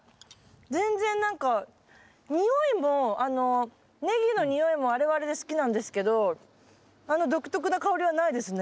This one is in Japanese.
全然何か匂いもあのネギの匂いもあれはあれで好きなんですけどあの独特な香りはないですね。